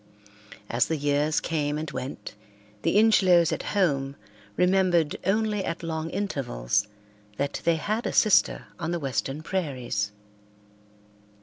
As the years came and went the Ingelows at home remembered only at long intervals that they had a sister on the western prairies.